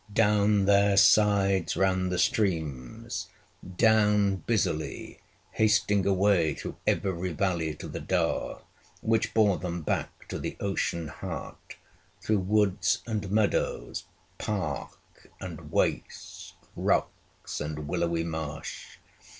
Down their sides ran the streams, down busily, hasting away through every valley to the Daur, which bore them back to the ocean heart through woods and meadows, park and waste, rocks and willowy marsh.